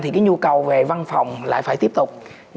thì cái nhu cầu về văn phòng lại phải tiếp tục